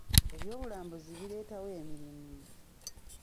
Eby'obulambuzi bireetawo emirimu.